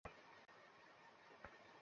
যান গিয়ে উনার সাথে দেখা করুন।